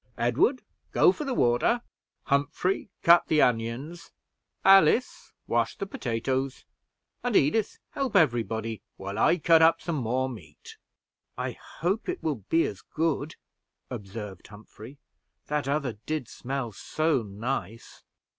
"Edward, go for the water; Humphrey, cut the onions; Alice, wash the potatoes; and Edith, help everybody, while I cut up some more meat." "I hope it will be as good," observed Humphrey; "that other did smell so nice!"